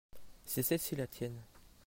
c'est celle-ci la tienne.